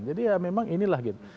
jadi ya memang inilah gitu